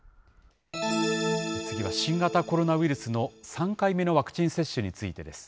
次は新型コロナウイルスの３回目のワクチン接種についてです。